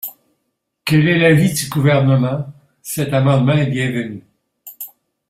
Quel est l’avis du Gouvernement ? Cet amendement est bienvenu.